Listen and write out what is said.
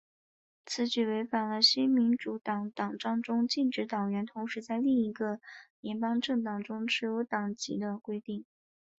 此举违反了新民主党党章中禁止党员同时在另一个联邦政党中持有党籍的规定。